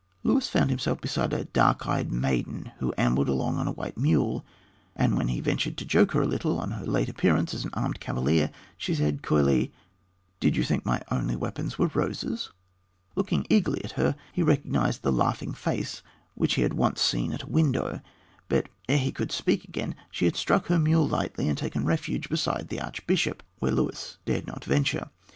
Luis found himself beside a dark eyed maiden, who ambled along on a white mule, and when he ventured to joke her a little on her late appearance as an armed cavalier, she said coyly, "Did you think my only weapons were roses?" Looking eagerly at her, he recognized the laughing face which he had once seen at a window; but ere he could speak again she had struck her mule lightly and taken refuge beside the archbishop, where Luis dared not venture.